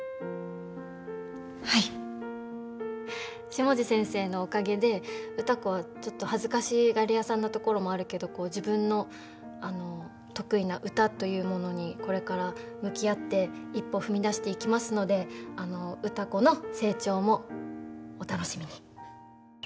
下地先生のおかげで歌子はちょっと恥ずかしがり屋さんなところもあるけど自分の得意な歌というものにこれから向き合って一歩踏み出していきますので歌子の成長もお楽しみに。